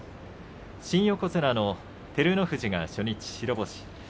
新横綱の照ノ富士が初日白星。